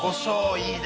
いいね